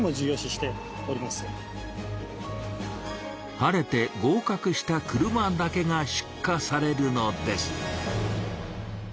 晴れて合かくした車だけが出荷されるのです。